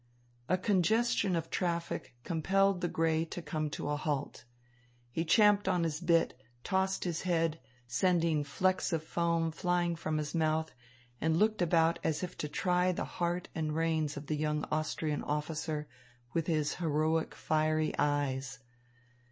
A congestion of traffic compelled the grey to come to a halt. He champed on his bit, tossed his head, sending flecks of foam flying from his mouth, and looked about as if to try the heart and reins of the young Austrian officer with his heroic, fiery eyes.